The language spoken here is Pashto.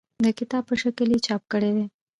د کتاب په شکل یې چاپ کړي دي.